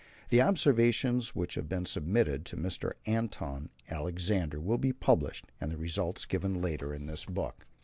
The observations, which have been submitted to Mr. Anton Alexander, will be published, and the result given later in this book.